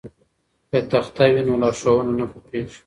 که تخته وي نو لارښوونه نه پټیږي.